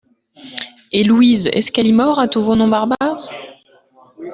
Et Louise, est-ce qu’elle y mord, à tous vos noms barbares ?